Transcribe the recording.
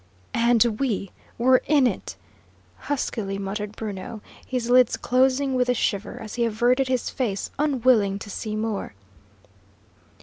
"And we were in it!" huskily muttered Bruno, his lids closing with a shiver, as he averted his face, unwilling to see more.